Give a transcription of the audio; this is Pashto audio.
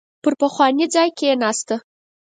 پر پخواني ځای کېناسته.